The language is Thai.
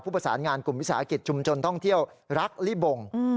ประสานงานกลุ่มวิสาหกิจชุมชนท่องเที่ยวรักลิบง